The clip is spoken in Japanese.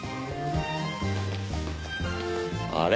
あれ？